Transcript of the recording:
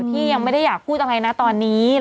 ที่ยังไม่ได้อยากพูดอะไรนะตอนนี้